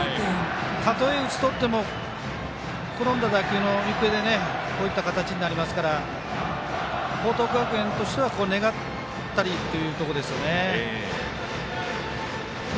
たとえ打ちとっても転んだ打球の行方でこういった形になりますから報徳学園としては願ったりというところですよね。